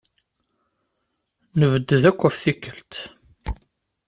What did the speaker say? Nebded akk ɣef tikkelt.